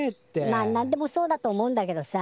まあなんでもそうだと思うんだけどさ